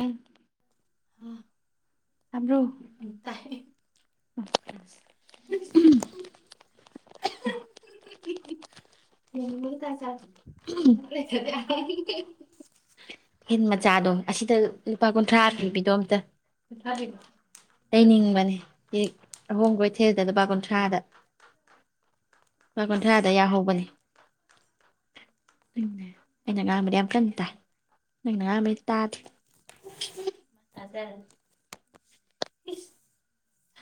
ꯑꯥ ꯇꯥꯕꯔꯣ ꯇꯥꯢꯌꯦ ꯍꯨꯝ ꯍꯤꯟ ꯃꯆꯥꯗꯣ ꯑꯗ ꯂꯨꯄꯥ ꯀꯨꯟꯊ꯭ꯔꯥ ꯄꯤꯕꯤꯗꯣ ꯑꯝꯇ ꯂꯩꯅꯤꯡꯕꯅꯦ ꯑꯍꯣꯡ ꯀꯩꯊꯦꯜꯗ ꯂꯨꯄꯥ ꯀꯨꯟꯊ꯭ꯔꯥꯗ ꯂꯨꯄꯥ ꯀꯨꯟꯊ꯭ꯔꯥꯗ ꯌꯥꯍꯧꯕꯅꯦ ꯑꯩꯅ ꯉꯥꯡꯕꯗꯤ ꯌꯥꯝ ꯀꯟ ꯇꯥꯏ ꯅꯪꯅ ꯉꯥꯡꯕꯩ ꯇꯥꯗꯦ [unintelligible] ꯏꯁ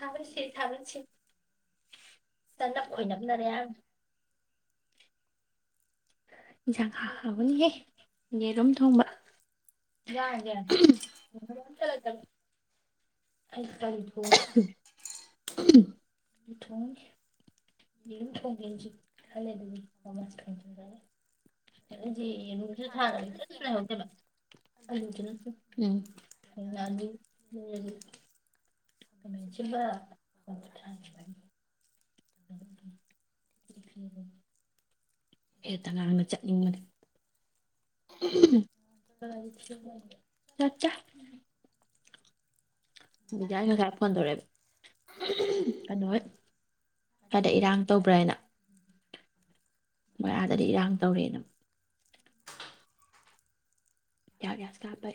ꯊꯥꯒꯠꯁꯤ ꯊꯥꯒꯠꯁꯤ ꯆꯅꯞ ꯈꯣꯏꯅꯞꯅꯔꯦ ꯑ ꯖꯥ ꯍꯥꯎꯒꯅꯤꯍꯦ ꯌꯦꯔꯨꯝ ꯊꯣꯡꯕ ꯊꯣꯡ [unintelligible] [inaudible] ꯍꯦ ꯇꯉꯥꯡꯅ ꯆꯠꯅꯤꯡꯕꯅꯤ ꯍꯨꯝ ꯍꯨꯝ ꯆꯠꯇꯦ ꯗꯤ ꯑ ꯉꯁꯥꯏ ꯐꯣꯟ ꯇꯧꯔꯛꯑꯦ ꯀꯩꯅꯣ ꯍꯣꯢ ꯈꯗ ꯏꯔꯥꯡ ꯇꯧꯕ꯭ꯔꯥ ꯅ ꯃꯔꯥꯗꯗꯤ ꯏꯔꯥꯡ ꯇꯧꯔꯦꯅ ꯇꯇꯩꯔ ꯒꯤꯌꯥꯏ ꯀꯥꯞꯄꯦ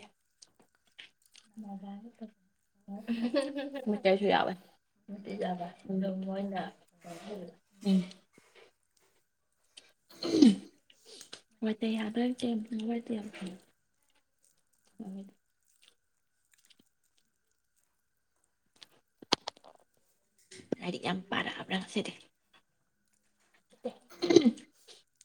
[unintelligible] [unintelligible] ꯂꯥꯏꯔꯤꯛ ꯌꯥꯝ ꯄꯥꯔꯛꯑꯕ꯭ꯔꯥ ꯉꯁꯤꯗꯤ [inaudible]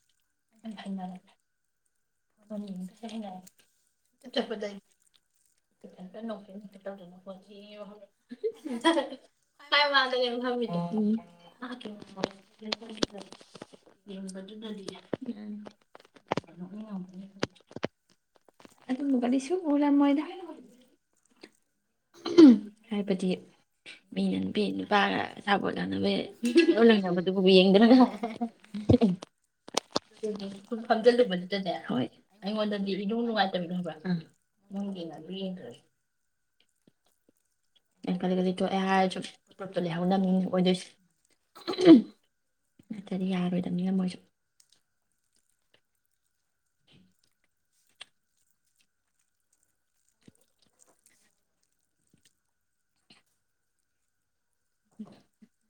[unintelligible] [unintelligible] ꯑꯗꯨ ꯀꯔꯤꯁꯨ ꯑꯣꯢꯔꯝ ꯃꯣꯏꯗ ꯍꯥꯏꯕꯗꯤ ꯃꯤꯅ ꯅꯨꯄꯤ ꯅꯨꯄꯥꯒ ꯑꯆꯥꯄꯣꯠ ꯂꯅꯕ ꯑꯣꯜꯂꯪꯅꯕꯗꯨꯕꯨꯕꯨ ꯌꯦꯡꯗꯅ ꯈꯨ ꯐꯝꯖꯤꯜꯂꯨꯕꯗꯨꯗꯅꯦ ꯍꯣꯏ ꯑꯩꯉꯣꯟꯗ ꯒꯤ ꯏꯅꯨꯡ ꯅꯨꯡꯉꯥꯢꯇꯕꯤꯗꯣ ꯈꯪꯕ꯭ꯔꯥ ꯑꯥ ꯃꯣꯢ ꯌꯦꯡꯉꯁꯨ ꯌꯦꯡꯗ꯭ꯔꯁꯨ ꯑꯪꯀꯜꯒꯗꯤ ꯇꯣꯛꯑ ꯍꯥꯏꯔꯁꯨ ꯄꯒ꯭ꯔꯨꯞꯇꯨ ꯂꯩꯍꯧꯗꯅꯤ ꯑꯣꯏꯗꯣꯏꯁꯦ ꯅꯠꯇ꯭ꯔꯗꯤ ꯌꯥꯔꯣꯏꯗꯕꯅꯤꯅ ꯃꯣꯏꯁꯨ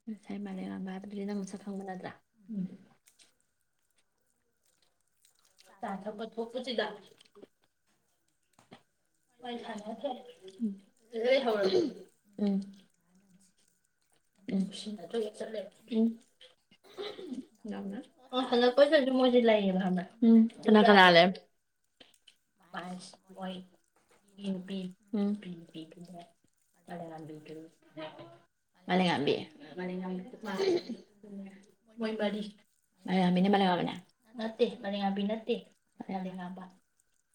ꯎꯝ ꯍꯥꯏ ꯃꯥꯂꯦꯕ ꯑꯗꯨꯒꯤ ꯅꯪ ꯑꯃꯨꯛ ꯁꯛ ꯈꯪꯕ ꯅꯠꯇ꯭ꯔꯥ ꯎꯝ ꯆꯥ ꯊꯛꯄ ꯊꯣꯛꯄꯁꯤꯗ [unintelligible] [unintelligible] [unintelligible] ꯑꯣ ꯍꯜꯂꯛꯑꯣꯢꯗꯁꯨ ꯃꯣꯢꯖꯦ ꯂꯩꯌꯦꯕ ꯈꯪꯕ꯭ꯔꯥ ꯑꯝ ꯀꯥꯅ ꯀꯥꯅ ꯂꯩꯔꯝ ꯑꯁ ꯃꯣꯢ [unintelligible] [unintelligible]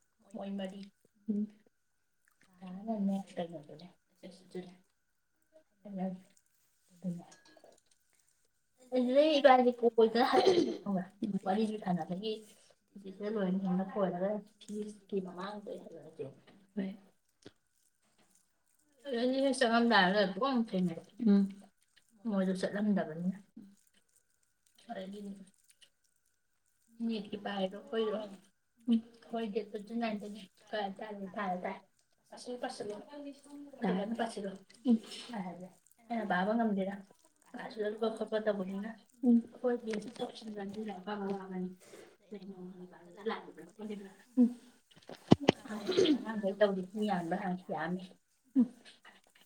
[unintelligible] ꯑꯦꯟꯗ꯭ꯔꯤ ꯏꯃꯥꯟꯅꯕꯤ ꯀꯨꯛ ꯄꯣꯢꯇ ꯍꯜꯂꯛꯑꯦ [unintelligible] ꯋꯥꯔꯤꯁꯦ ꯁꯥꯟꯅꯕꯒꯤ [unintelligible] ꯑꯗꯨꯗꯤꯅꯦ ꯆꯠꯂꯝ ꯗꯥꯏꯗ ꯃꯣꯏꯗ ꯆꯠꯂꯝꯗꯕꯅꯤꯅ ꯑꯗꯨꯗꯩꯗꯤ [unintelligible] [unintelligible] ꯑꯍꯥꯟꯕꯩ ꯇꯧꯈꯤꯕꯗꯣ ꯌꯥꯝꯕꯔꯥ ꯍꯪꯢ ꯌꯥꯝꯃꯤꯎꯝ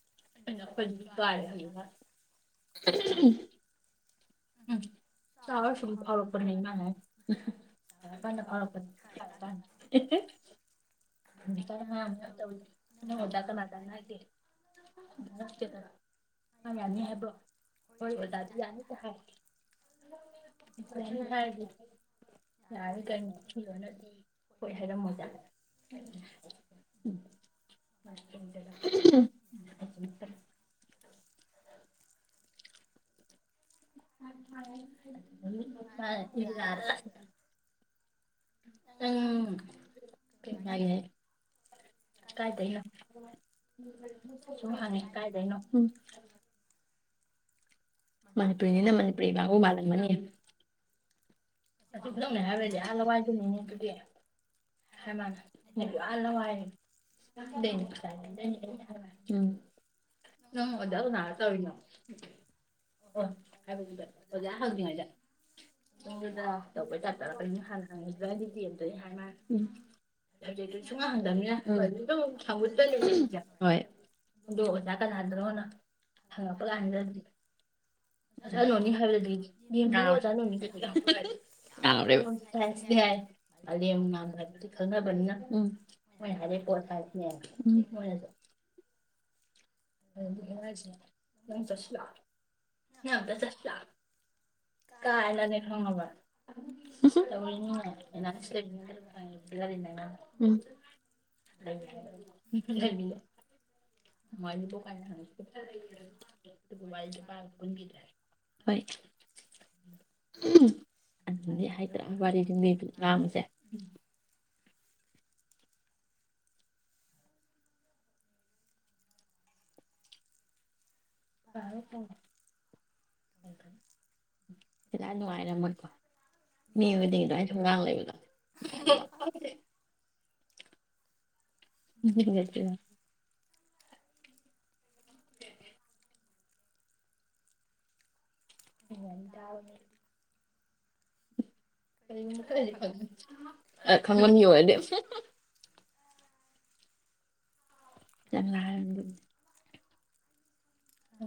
[unintelligible] [inaudible] [unintelligible] [unintelligible] [unintelligible] [inaudible] [unintelligible] ꯎꯝ ꯀꯩ ꯉꯥꯢꯔꯤꯅꯦ ꯀꯥꯏꯗꯒꯤꯅꯣ ꯎꯝ ꯁꯨꯝ ꯍꯪꯉꯦ ꯀꯥꯏꯗꯩꯅꯣ ꯎꯝ ꯃꯅꯤꯄꯨꯔꯔꯤꯅꯤꯅ ꯃꯅꯤꯄꯨꯔꯤ ꯉꯥꯡꯕ ꯃꯥꯜꯂꯝꯃꯅꯤ ꯑꯗꯨꯅꯪꯅꯦ ꯍꯥꯏꯕꯗꯤ ꯑꯥ ꯂꯋꯥꯏꯗꯨꯅꯦꯅꯦ ꯑꯗꯨꯗꯤ ꯍꯥꯏ ꯃꯥꯅ ꯗꯦ ꯑꯥ ꯂꯋꯥꯏꯅꯦ [unintelligible] ꯅꯪ ꯑꯣꯖꯥ ꯀꯥꯅ ꯇꯧꯔꯤꯅꯣ ꯑꯣ ꯍꯥꯏꯕꯗꯨꯗ ꯑꯣꯖꯥ ꯍꯪꯉꯩꯗꯗ [unintelligible] ꯇꯧꯕꯩ ꯇꯥꯞꯇꯔ ꯑꯣꯢꯅꯤ ꯍꯥꯢꯕꯗ ꯑꯩꯗꯤ ꯕꯦꯛꯇꯅꯤ ꯍꯥꯢ ꯃꯅꯥ ꯎꯝ ꯍꯪꯖꯩꯁꯨ ꯁꯨꯡꯍꯥ ꯍꯪꯗꯝꯅꯤꯅ ꯎꯝ ꯐꯣꯟ ꯁꯨꯡꯇꯧ ꯍꯪꯕ ꯇꯜꯂꯤ ꯌꯥ ꯍꯣꯢ ꯗꯣ ꯑꯣꯖꯥ ꯀꯅꯥꯗꯅꯣꯅ ꯍꯪꯉꯛꯄ ꯀꯥꯟꯗꯗꯤ ꯆꯠꯂꯨꯅꯤ ꯍꯥꯏꯕꯗꯤ [unintelligible] ꯆꯥꯎꯔꯦꯕ [unintelligible] ꯍꯥꯏꯕꯗꯤ ꯈꯪꯅꯕꯅꯤꯅ ꯎꯝ ꯃꯣꯏ ꯍꯥꯏꯔꯦ ꯄꯣꯠ ꯁꯥꯏꯁꯅꯦ ꯃꯣꯏꯅꯁꯨ [unintelligible] ꯑꯗꯨꯢꯗꯨꯅꯅꯦ ꯍꯥꯏꯁꯦ ꯅꯪ ꯆꯠꯁꯤꯂꯥꯛꯑꯣ ꯅꯪ ꯑꯝꯇ ꯆꯠꯁꯤꯂꯥꯛꯑꯣ ꯀꯥꯏꯅꯅꯦ ꯈꯪꯉꯕ ꯎꯝ [unintelligible] [unintelligible] ꯍꯣꯢ ꯑꯍꯝ ꯑꯗꯨꯗꯤ ꯍꯥꯏꯗ꯭ꯔꯥ ꯋꯥꯔꯤꯗꯨꯗꯤ ꯗꯨꯝ ꯂꯥꯝꯃꯤꯁꯦ ꯎ ꯄꯥꯔꯣ ꯄꯥꯔꯣ ꯏꯈ ꯁꯤꯗꯥꯏ ꯅꯨꯡꯉꯥꯏꯔꯝꯃꯣꯏꯀꯣ ꯃꯤ ꯈꯨꯗꯤꯡꯒꯤ ꯑꯗꯨꯃꯥꯏꯁꯨꯝ ꯉꯥꯡ ꯂꯩꯕꯗꯣ [unintelligible] ꯈꯪꯗ꯭ꯔꯦ ꯑꯗꯨ ꯍꯜꯂꯛꯇ꯭ꯔꯤꯔꯣ ꯅꯣꯡ ꯇꯥꯕ ꯃꯤ [unintelligible] ꯑ ꯈꯪꯕ ꯃꯤ ꯑꯣꯢꯔꯗꯤ ꯈꯤꯇꯪꯉꯥꯔꯗꯨꯕꯨ [unintelligible] ꯆꯥ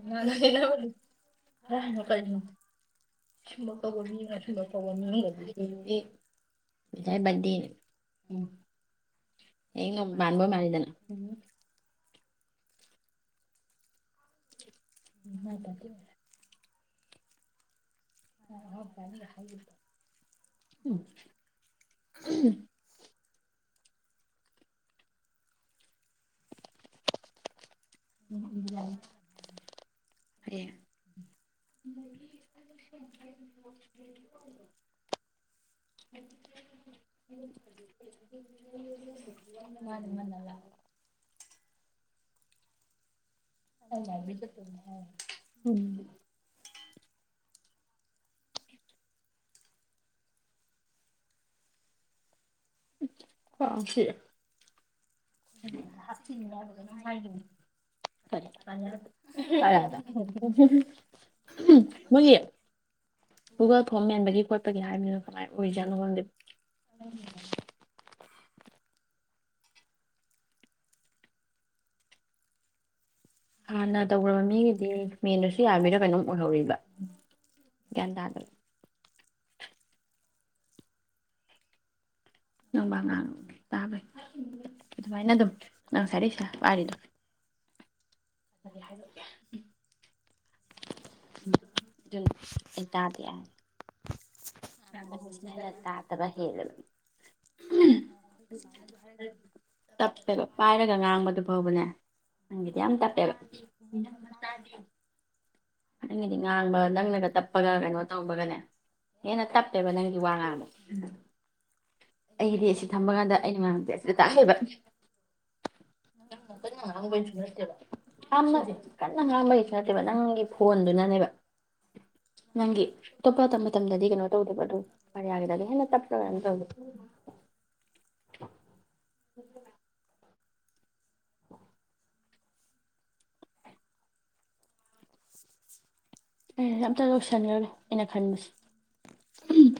ꯕꯥꯠꯗꯦ ꯎ ꯑꯩ ꯅꯣꯡ ꯃꯥꯟꯕ ꯃꯥꯜꯂꯤꯗꯅ [inaudible] ꯎꯝ ꯃꯥꯢ ꯕꯥꯗꯗꯦ ꯑꯣꯢꯔꯦ ꯎ ꯎꯝ ꯎꯝ ꯌꯥꯢꯌꯦ ꯑꯦ [unintelligible] ꯃꯥ ꯑꯗꯨꯝ ꯉꯟꯅ ꯂꯥꯛ [unintelligible] ꯎꯝ ꯑꯥ ꯁꯤ ꯍꯥꯞꯆꯤꯟꯅꯤ ꯍꯥꯏꯕ꯭ꯔ ꯀꯩꯅꯣꯝ ꯍꯥꯏꯒꯤꯕꯅꯦ ꯀꯔꯤ ꯇꯥꯅ꯭ꯌꯥꯗ ꯀꯥꯔꯌ ꯗ ꯅꯣꯏꯒꯤ ꯒꯨꯒꯜ ꯐꯣꯝ ꯃꯦꯟꯕꯒꯤ ꯈꯣꯠꯄꯒꯤ ꯍꯥꯏꯕꯗꯨꯅ ꯀꯃꯥꯏ ꯑꯣꯏꯔꯤꯖꯥꯠꯅꯣ ꯈꯪꯗꯦ ꯍꯥꯟꯅ ꯇꯧꯒ꯭ꯔꯕ ꯃꯤꯒꯤꯗꯤ ꯃꯦꯟꯗꯁꯨ ꯌꯥꯕꯤꯔꯥ ꯀꯩꯅꯣꯝ ꯑꯣꯏꯍꯧꯋꯤꯕ ꯒ꯭ꯌꯥꯟ ꯇꯥꯗꯦ ꯅꯪ ꯋꯥ ꯉꯥꯡ ꯇꯥꯕꯩ ꯑꯗꯨꯃꯥꯏꯅ ꯑꯗꯨꯝ ꯅꯪ ꯉꯁꯥꯏꯗꯩ ꯁ ꯄꯥꯏꯔꯤꯗꯣ ꯑꯗꯨ ꯍꯥꯏꯔꯣꯏꯒꯦ [unintelligible] ꯎꯝ ꯖꯨꯟ ꯑꯩ ꯇꯥꯗꯦ ꯌꯥꯔꯦ ꯅꯦ ꯇꯥꯗꯕ ꯍꯦꯜ ꯑꯩꯈꯣꯏ ꯏꯆꯥꯅꯖꯨ ꯍꯥꯏꯔꯛꯈꯤꯕꯅꯤ ꯇꯞꯄꯦ ꯄꯤꯏꯔꯒ ꯉꯥꯡꯕꯖꯨ ꯉꯥꯡꯕꯅꯦ ꯌꯥꯝ ꯇꯞꯄꯦꯕ ꯇꯥꯗꯦ ꯏꯅꯝꯃ ꯇꯥꯗꯦ ꯅꯪꯒꯤꯗꯤ ꯉꯥꯡꯕ ꯅꯪꯅꯒ ꯇꯞꯄꯒ ꯀꯩꯅꯣ ꯇꯧꯕꯒꯅꯦ ꯍꯦꯟꯅ ꯇꯞꯄꯦꯕ ꯅꯪꯒꯤ ꯋꯥ ꯉꯥꯡꯕ ꯑꯩꯒꯤꯗꯤ ꯑꯁꯤ ꯊꯝꯕ ꯀꯥꯟꯗ ꯑꯩꯅ ꯉꯥꯡꯕꯖꯦ ꯇꯥ ꯍꯩꯕ ꯅꯪꯅ ꯪ ꯀꯟꯅ ꯉꯥꯡꯕꯩꯖꯨ ꯅꯠꯇꯦꯕ ꯀꯟꯅ ꯀꯟꯅ ꯉꯡꯕꯩꯖꯨ ꯅꯠꯇꯦꯕ ꯅꯪꯒꯤ ꯗꯨꯅꯅꯦꯕ ꯅꯪꯒꯤ ꯑꯇꯣꯞꯄ ꯃꯇꯝ ꯃꯇꯝꯗꯗꯤ ꯀꯩꯅꯣ ꯇꯧꯗꯦꯕ ꯑꯗꯨ ꯀꯥꯔꯌꯥꯒꯤꯗꯗꯤ ꯍꯦꯟꯅ ꯇꯞꯄ꯭ꯔ ꯀꯩꯅꯣꯝ ꯇꯧꯌꯦ [inaudible] ꯑꯩꯅ ꯑꯝꯇ ꯂꯣꯏꯁꯤꯟꯈ꯭ꯔꯒꯦ ꯑꯩꯅ ꯈꯟꯕꯁꯤ ꯎꯝ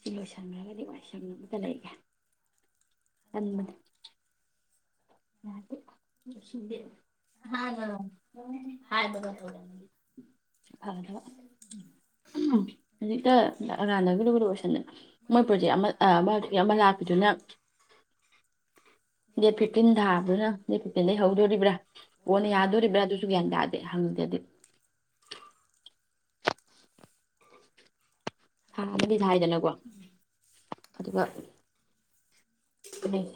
ꯁꯤ ꯂꯣꯏꯁꯟꯒ꯭ꯔꯒꯗꯤ ꯋꯥꯏ ꯁꯪꯅ ꯑꯃꯇ ꯂꯩꯒꯦ [unintelligible] ꯌꯥꯗꯦ [unintelligible] ꯍꯥꯏ ꯐꯒꯗꯕ ꯎꯝ ꯍꯧꯖꯤꯛꯇ ꯑꯔꯥꯟꯗꯒꯤ ꯂꯣꯏꯁꯟꯂꯦ [unintelligible] ꯃꯣꯏ ꯄ꯭ꯔꯣꯖꯦꯛ ꯑꯃ ꯑ ꯑꯃꯗꯒꯤ ꯑꯃ ꯂꯥꯛꯄꯤꯗꯨꯅ ꯗꯦꯠ ꯐꯤꯞ ꯐꯤꯇꯤꯟ ꯊꯥꯕꯗꯨꯅ ꯗꯦꯠ ꯐꯤꯐꯇꯤꯟ ꯗꯩ ꯍꯧꯗꯣꯔꯤꯕ꯭ꯔ ꯀꯣꯟꯅ ꯌꯥꯗꯣꯔꯤꯕ꯭ꯔꯥ ꯑꯗꯨꯁꯨ ꯒ꯭ꯌꯥꯟ ꯇꯥꯗꯦ ꯍꯪꯗꯗꯤ ꯊꯥ ꯑꯃꯗꯤ ꯊꯥꯏꯗꯅꯀꯣ ꯑꯗꯨꯒ [unintelligible]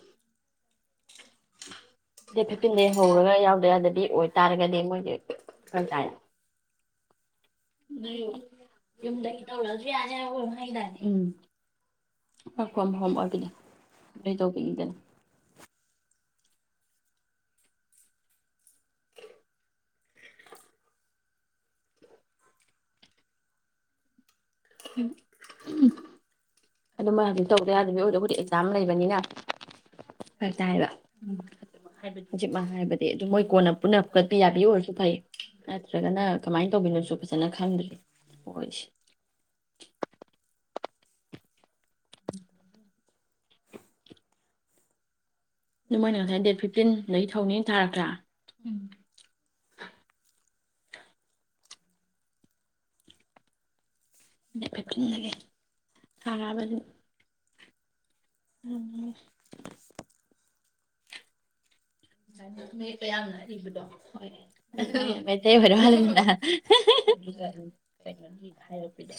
ꯗꯦꯠ ꯐꯤꯞꯇꯤꯟ ꯗꯩ ꯍꯧꯔꯒ ꯌꯥꯎꯗ ꯌꯥꯗꯕꯤ ꯑꯣꯏꯇꯥꯔꯒꯗꯤ ꯃꯣꯏꯖꯦ ꯐꯔꯛ ꯇꯥꯏ ꯌꯨꯝꯗꯩ ꯇꯧꯔꯛꯑꯖꯨ ꯌꯥꯅꯤ ꯍꯥꯏꯕ꯭ꯔ ꯀꯩꯅꯣꯝ ꯍꯥꯏꯒꯤꯗꯥꯏ ꯎꯝ ꯋꯥꯛ ꯐ꯭ꯔꯣꯝ ꯍꯣꯝ ꯑꯣꯏꯕꯤꯗꯣ ꯑꯗꯨ ꯇꯣꯄꯤꯛꯅꯤꯗꯅ [inaudible] ꯑꯗꯨ ꯃꯣꯏ ꯍꯧꯖꯤꯛ ꯇꯧꯗ ꯌꯥꯗꯕꯤ ꯑꯣꯏꯔꯗꯤ ꯑꯗꯣ ꯑꯩꯈꯣꯏꯗꯤ ꯍꯧꯖꯤꯛ ꯑꯦꯛꯖꯥꯝ ꯂꯩꯕꯅꯤꯅ ꯐꯔꯛ ꯇꯥꯏꯕ ꯍꯥꯏꯕꯗꯤ ꯍꯧꯖꯤꯛꯃꯛ ꯍꯥꯏꯕꯗꯤ ꯑꯗꯨ ꯃꯣꯏ ꯀꯣꯟꯅ ꯄꯨꯟꯅ ꯀꯠꯄꯤ ꯌꯥꯕꯤ ꯑꯣꯏꯔꯁꯨ ꯐꯩ ꯅꯠꯇ꯭ꯔꯒꯅ ꯀꯃꯥꯏꯅ ꯇꯧꯕꯤꯅꯣꯖꯨ ꯐꯖꯅ ꯈꯪꯗ꯭ꯔꯤ ꯍꯣꯏ [unintelligible] ꯑꯗꯨ ꯃꯣꯏꯅ ꯉꯁꯥꯏ ꯗꯦꯠ ꯐꯤꯞꯇꯤꯟꯗꯒꯤ ꯍꯧꯅꯤ ꯊꯥꯔꯛꯇ꯭ꯔꯥ ꯎꯝ ꯗꯦꯠ ꯐꯤꯐꯇꯤꯟꯗꯒꯤ ꯇꯥꯔꯑꯕ ꯑꯗꯨ ꯉꯝ ꯃꯦ ꯃꯩꯇꯩ ꯃꯌꯦꯛꯇ ꯌꯥꯝꯅ ꯏꯕꯗꯣ ꯍꯣꯏ ꯃꯇꯩꯃꯥꯅ ꯍꯥ ꯍꯥ ꯍꯥ ꯀꯔꯤꯅꯣ ꯍꯥꯏꯔꯛꯄꯗꯣ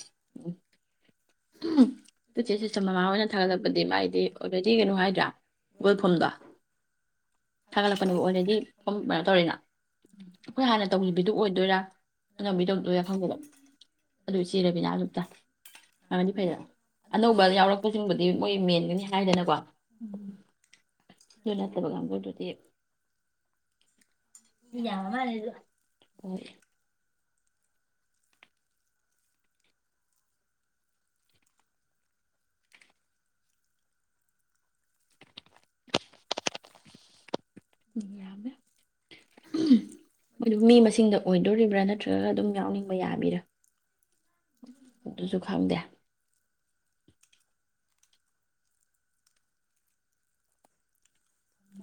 ꯑꯗꯣ ꯆꯦ ꯁꯩꯇꯕꯥꯃꯥ ꯍꯣꯏꯅꯥ ꯊꯥꯒꯠꯂꯛꯄꯗꯤ ꯃꯥꯏꯗꯤ ꯑꯣꯜꯔꯦꯗꯤ ꯀꯩꯅꯣ ꯍꯥꯏꯗ꯭ꯔꯥ ꯒꯨꯜ ꯐꯣꯝꯗꯣ ꯑꯣꯜꯔꯦ ꯀꯩꯅꯣ ꯇꯧꯔꯤꯅ ꯑꯩꯈꯣꯏ ꯍꯥꯟꯅ ꯇꯧꯈꯤꯕꯤꯗꯨꯣ ꯑꯣꯏꯗꯣꯏꯔꯥ ꯑꯅꯝꯕꯤ ꯇꯧꯗꯣꯏꯔꯥ ꯈꯪꯗꯦꯕ ꯑꯗꯨ ꯏꯆꯦ ꯔꯕꯤꯅꯥꯗꯨ ꯑꯝꯇ ꯍꯪꯒꯗꯤ ꯐꯩꯗꯅ ꯑꯅꯧꯕ ꯌꯥꯎꯔꯛꯄꯁꯤꯡꯕꯨꯗꯤ ꯃꯣꯏ ꯃꯦꯟꯒꯅꯤ ꯍꯥꯏꯗꯅꯀꯣ ꯎꯝ ꯅꯠꯇꯕ ꯀꯥꯡꯕꯨꯗꯨꯗꯤ ꯌꯥꯕ ꯃꯥꯂꯤꯗꯣ ꯎꯝ ꯌꯥꯝꯃꯦ ꯃꯤ ꯃꯁꯤꯡꯗ ꯑꯣꯏꯗꯣꯔꯤꯕ꯭ꯔꯥ ꯅꯠꯇ꯭ꯔꯒ ꯑꯗꯨꯝ ꯌꯥꯎꯅꯤꯡꯕ ꯌꯥꯕꯤꯔꯥ ꯑꯗꯨꯁꯨ ꯈꯪꯗꯦ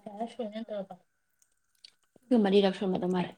ꯀꯌꯥꯔꯛ ꯁꯨꯔꯥꯒꯦ ꯅꯪ ꯇꯧꯔꯛꯞꯄ ꯁꯤꯒ ꯃꯔꯤꯔꯛ ꯁꯔꯝꯃꯗꯧ ꯃꯥꯜꯂꯤ